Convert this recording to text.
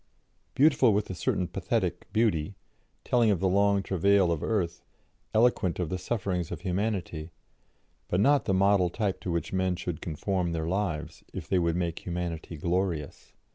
Beautiful with a certain pathetic beauty, telling of the long travail of earth, eloquent of the sufferings of humanity, but not the model type to which men should conform their lives, if they would make humanity glorious.